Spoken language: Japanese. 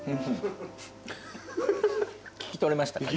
聞き取れましたか？